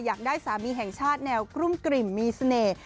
อยากได้สามีแห่งชาติแนวกลุ้มกลิ่มมีเสน่ห์